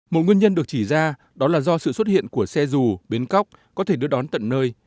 một nguyên nhân được chỉ ra đó là do sự xuất hiện của xe dù bến cóc có thể đưa đón tận nơi